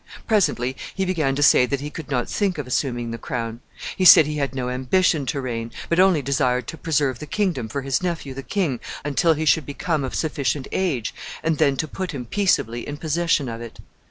Presently he began to say that he could not think of assuming the crown. He said he had no ambition to reign, but only desired to preserve the kingdom for his nephew the king until he should become of sufficient age, and then to put him peaceably in possession of it.